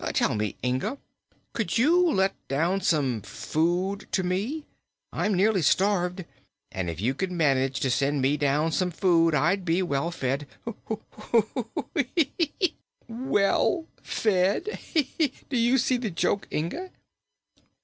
Tell me, Inga, could you let down some food to me? I'm nearly starved, and if you could manage to send me down some food I'd be well fed hoo, hoo, heek, keek, eek! well fed. Do you see the joke, Inga?"